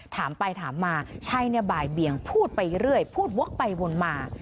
ถามไปถามมาชัยบ่ายเบียงพูดไปเรื่อยพูดวกไปวนมา